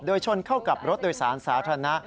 โดยชนเข้ากับรถโดยสารสาธารณะ